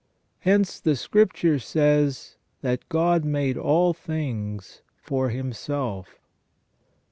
Hence the Scripture says that "God made all things for himself".